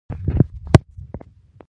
د اریکا چینوت څېړنې لا دوام لري.